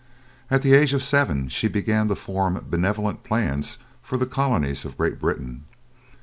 At the age of seven she began to form benevolent plans for the colonies of Great Britain.